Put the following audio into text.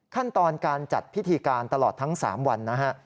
ขั้นตอนการจัดพิธีการตลอดทั้ง๓วันนะฮะ